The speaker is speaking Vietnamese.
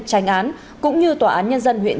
tránh án cũng như tòa án nhân dân huyện